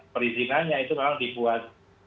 perizinannya itu memang dibuat